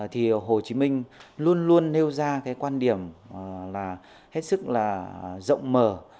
thì hồ chí minh luôn luôn nêu ra cái quan điểm là hết sức là rộng mở